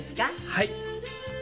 「はい。